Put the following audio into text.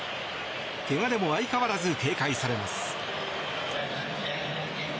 けがでも相変わらず警戒されます。